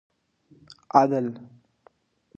عدل